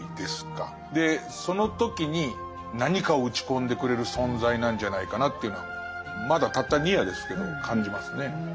でその時に何かを打ち込んでくれる存在なんじゃないかなっていうのはまだたった２夜ですけど感じますね。